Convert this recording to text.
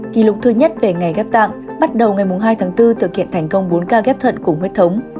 kỷ lục thứ nhất về ngày ghép tặng bắt đầu ngày hai bốn thực hiện thành công bốn ca ghép thuận cùng huyết thống